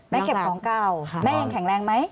เก็บของเก่าแม่ยังแข็งแรงไหม